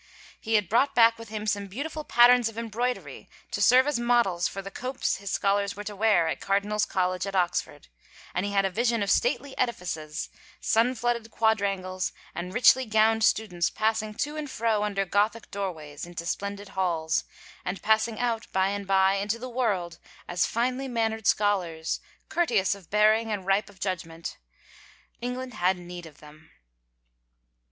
He had brought back with him some beautiful patterns of embroidery to serve as models for the copes his scholars were to wear at Cardinal's College at Ox ford, and he had a vision of stately edifices, sun flooded quadrangles, and richly gowned students passing to and fro under Gothic doorways into splendid halls, and passing out, by and by, into the world, as finely mannered scholars, courteous of bearing and ripe of judgment ... England had need of them.